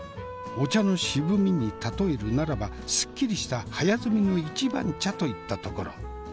お茶の渋みに例えるならばすっきりした早摘みの一番茶といったところ。